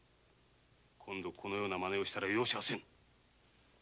今度このようなマネをしたら容赦はせぬ！